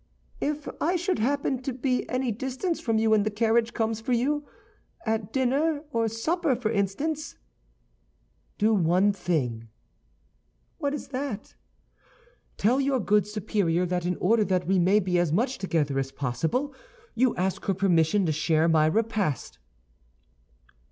"If I should happen to be any distance from you when the carriage comes for you—at dinner or supper, for instance?" "Do one thing." "What is that?" "Tell your good superior that in order that we may be as much together as possible, you ask her permission to share my repast."